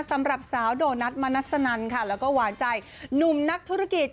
สำหรับสาวโดนัทมนัสนันค่ะแล้วก็หวานใจหนุ่มนักธุรกิจ